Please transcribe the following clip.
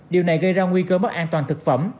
điều này gây ra nguy cơ mất an toàn thực phẩm